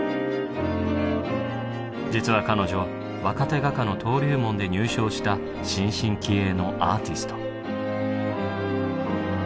実は彼女若手画家の登竜門で入賞した新進気鋭のアーティスト。